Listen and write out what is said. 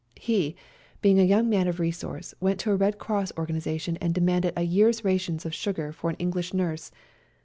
He, being a young man of resource, went to a Red Cross organisation and demanded a year's rations of sugar for an English nm'se.